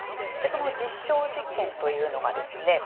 その実証実験というのがですね